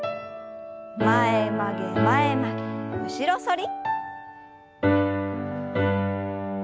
前曲げ前曲げ後ろ反り。